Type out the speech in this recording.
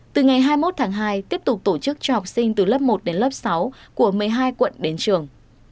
từ ngày hai mươi một tháng hai tiếp tục tổ chức cho học sinh từ lớp một đến lớp sáu của một mươi hai quận đến trường